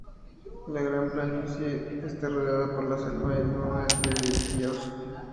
La Gran Planicie está rodeada por la selva inundable de Iquitos.